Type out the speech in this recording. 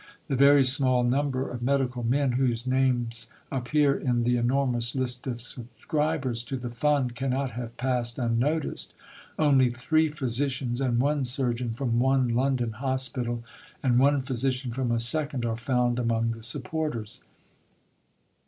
The very small number of medical men whose names appear in the enormous list of subscribers to the fund cannot have passed unnoticed. Only three physicians and one surgeon from one (London) hospital, and one physician from a second, are found among the supporters."